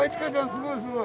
すごいすごい。